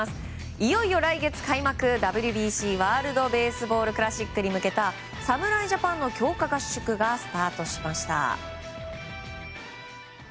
いよいよ来月開幕ＷＢＣ・ワールド・ベースボール・クラシックに向けた侍ジャパンの強化合宿がスタートしました。